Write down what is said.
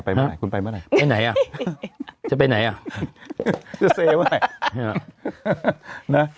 เมื่อไหร่คุณไปเมื่อไหร่ไปไหนอ่ะจะไปไหนอ่ะจะเซว่า